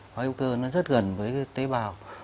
hóa hữu cơ nó rất gần với tế bào